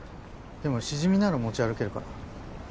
でもシジミなら持ち歩けるから